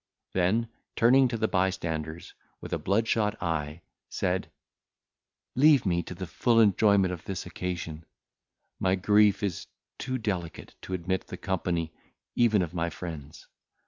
Then turning to the bystanders, with a bloodshot eye, said, "Leave me to the full enjoyment of this occasion; my grief is too delicate to admit the company even of my friends.